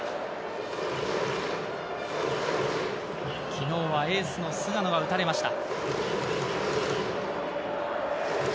昨日はエースの菅野が打たれました。